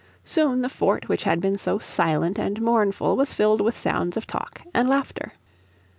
Soon the fort which had been so silent and mournful was filled with sounds of talk and laughter.